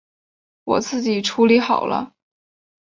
我自己处理好了